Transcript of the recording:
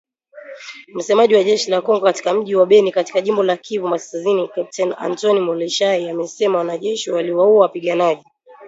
Msemaji wa jeshi la Kongo katika mji wa Beni katika jimbo la Kivu Kaskazini, Kepteni Antony Mualushayi, amesema wanajeshi waliwaua wapiganaji.